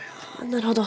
なるほど。